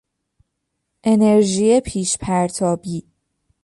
انرژی پیشپرتابی